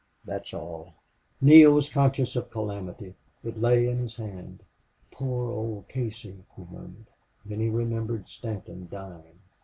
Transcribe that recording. That's all...." Neale was conscious of calamity. It lay in his hand. "Poor old Casey!" he murmured. Then he remembered. Stanton dying!